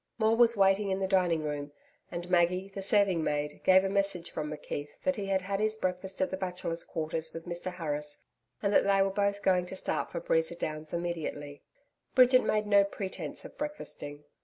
Maule was waiting in the dining room, and Maggie, the serving maid, gave a message from McKeith that he had had his breakfast at the Bachelors' Quarters with Mr Harris and that they were both going to start for Breeza Downs immediately. Bridget made no pretence of breakfasting.